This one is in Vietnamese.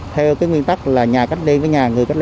theo cái nguyên tắc là nhà cách ly với nhà